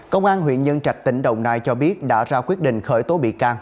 công an huyện nhân trạch tỉnh đồng nai cho biết đã ra quyết định khởi tố bị can